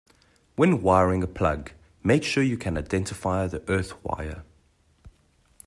When wiring a plug, make sure you can identify the earth wire